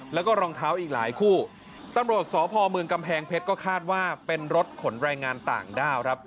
แล้วก็รองเท้าอีกหลายคู่ตำรวจสพเมืองกำแพงเพชรก็คาดว่าเป็นรถขนแรงงานต่างด้าวครับ